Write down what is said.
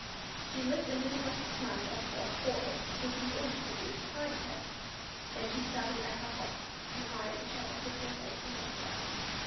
She then licked a black smudge off Dot's forehead, which was all she could to tidy her. Then she started back with a hop, and eyed the child with her head on one side.